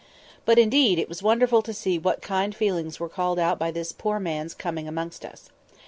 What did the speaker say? But, indeed, it was wonderful to see what kind feelings were called out by this poor man's coming amongst us.